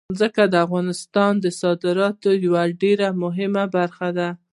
ځمکه د افغانستان د صادراتو یوه ډېره مهمه برخه ده.